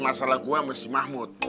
masalah gue sama si mahmud